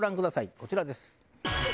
こちらです。